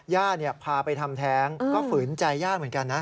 พาไปทำแท้งก็ฝืนใจย่าเหมือนกันนะ